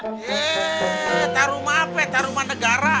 heee tak rumah apa tak rumah negara